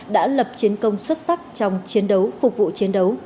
đã lập chiến công xuất sắc trong chiến đấu phục vụ chiến đấu